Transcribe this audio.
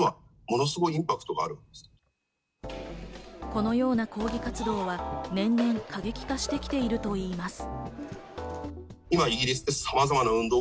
このような抗議活動は年々過激化してきているといいます。